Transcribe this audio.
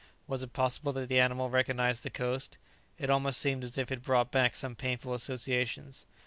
Was it possible that the animal recognized the coast? It almost seemed as if it brought back some painful associations.